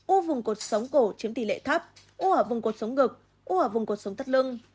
u vùng cột sống cổ chiếm tỷ lệ thấp u ở vùng cột sống ngực u ở vùng cuộc sống tất lưng